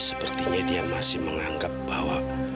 sepertinya dia masih menganggap bahwa